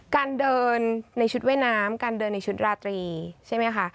การเดินในชุดว่ายน้ำการเดินในชุดราตรีใช่ไหมคะ